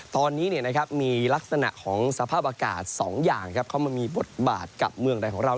ตอนนี้มีลักษณะของสภาพอากาศ๒อย่างเข้ามามีบทบาทกับเมืองใดของเรา